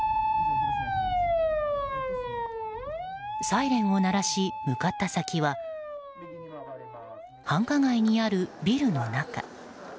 サイレンを鳴らし向かった先は繁華街にあるビルの中。